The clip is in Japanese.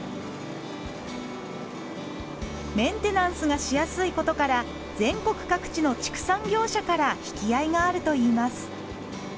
メンテナンスがしやすいことから全国各地の畜産業者から引き合いがあるといいます。